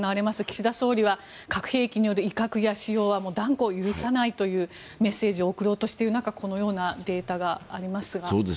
岸田総理は、核兵器による威嚇や使用は断固許さないというメッセージを送ろうとしている中このようなデータがありますが。